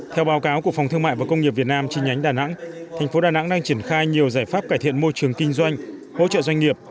theo báo cáo của phòng thương mại và công nghiệp việt nam chi nhánh đà nẵng thành phố đà nẵng đang triển khai nhiều giải pháp cải thiện môi trường kinh doanh hỗ trợ doanh nghiệp